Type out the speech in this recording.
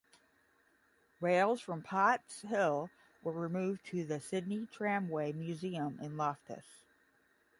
Rails from Potts Hill were removed to the Sydney Tramway Museum in Loftus.